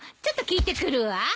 ちょっと聞いてくるわ。